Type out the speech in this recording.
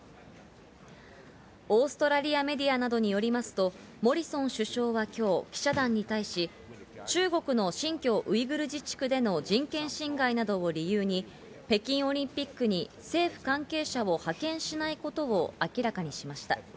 オーストラリアメディアなどによりますと、モリソン首相は今日記者団に対し、中国の新疆ウイグル自治区での人権侵害などを理由に北京オリンピックに政府関係者を派遣しないことを明らかにしました。